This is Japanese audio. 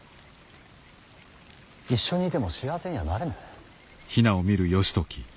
一緒にいても幸せにはなれぬ。